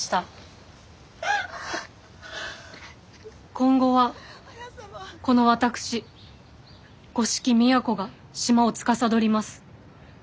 今後はこの私五色都が島をつかさどります。